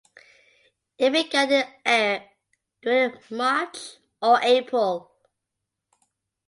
It began in Acre during March or April.